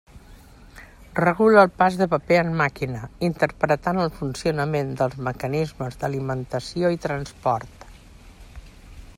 Regula el pas de paper en màquina, interpretant el funcionament dels mecanismes d'alimentació i transport.